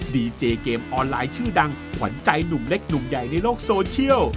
ดีเจเกมออนไลน์ชื่อดังขวัญใจหนุ่มเล็กหนุ่มใหญ่ในโลกโซเชียล